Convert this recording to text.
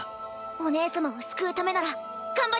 お姉様を救うためなら頑張ります！